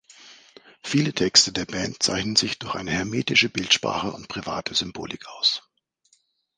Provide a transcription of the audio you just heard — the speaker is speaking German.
Viele Texte der Band zeichnen sich durch eine hermetische Bildsprache und private Symbolik aus.